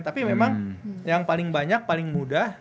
tapi memang yang paling banyak paling mudah